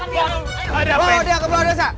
bawa dia ke bawah desa